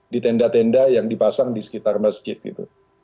di tenda tenda yang dipasang di sekitar masjid gitu